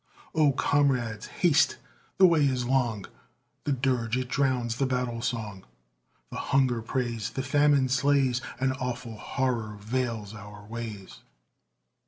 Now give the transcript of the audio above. "O comrades, haste! the way is long, The dirge it drowns the battle song; The hunger preys, The famine slays, An awful horror veils our ways!"